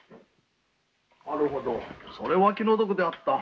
なるほどそれは気の毒であった。